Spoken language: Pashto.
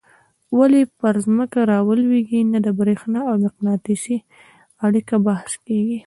ولي پر ځمکه رالویږي نه د برېښنا او مقناطیس اړیکه بحث کیږي.